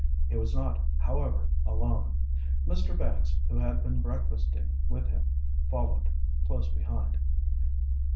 He was not, however, alone:—Mr. Banks, who had been breakfasting with him, followed close behind.